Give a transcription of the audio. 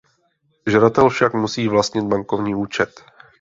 Žadatel však musí vlastnit bankovní účet.